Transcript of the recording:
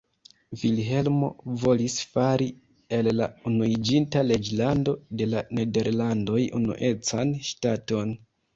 Vilhelmo volis fari el la Unuiĝinta Reĝlando de la Nederlandoj unuecan ŝtaton.